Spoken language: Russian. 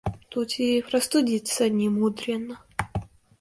Тут и простудиться не мудрено.